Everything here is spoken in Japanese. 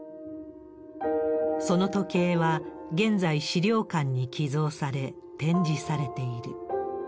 その時計は、現在、資料館に寄贈され、展示されている。